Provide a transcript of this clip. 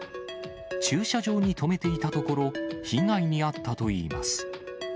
駐車場に止めていたところ、被害に遭ったといいます。